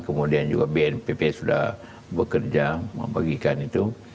kemudian juga bnpp sudah bekerja membagikan itu